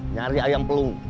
nyari ayam pelung